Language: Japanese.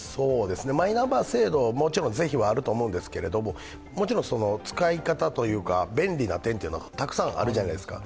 マイナンバー制度、もちろん是非はあると思うんですがもちろん使い方というか、便利な点はたくさんあるじゃないですか。